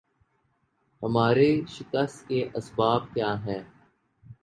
ہماری شکست کے اسباب کیا ہیں